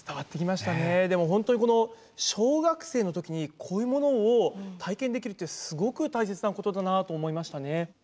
でも本当に、この小学生の時にこういうものを体験できるってすごく大切なことだなと思いましたね。